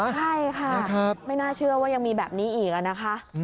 ใช่ค่ะไม่น่าเชื่อว่ายังมีแบบนี้อีกนะคะ